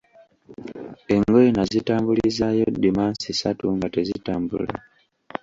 Engoye nazitambulizaayo dimansi ssatu nga tezitambula.